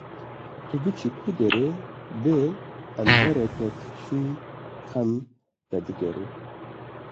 Tu biçî ku derê, bi embareke tije xem vedigerî.